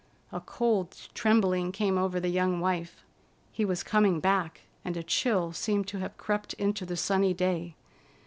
A cold trembling came over the young wife. He was coming back, and a chill seemed to have crept into the sunny day.